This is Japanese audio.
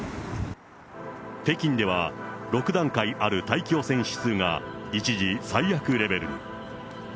北京では６段階ある大気汚染指数が、一時最悪レベルに。